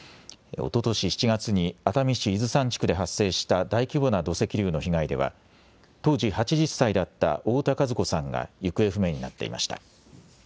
おととし７月に熱海市伊豆山地区で発生した大規模な土石流の被害では当時８０歳だった太田和子さんが行方不明になっていました。